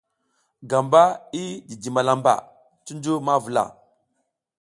Gamba i jiji malamba cuncu ma vula.